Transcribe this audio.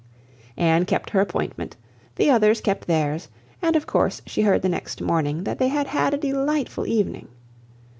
Anne kept her appointment; the others kept theirs, and of course she heard the next morning that they had had a delightful evening.